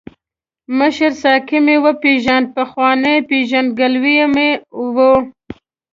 مشر ساقي مې وپیژاند، پخوانۍ پېژندګلوي مو وه.